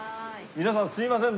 皆さんすみません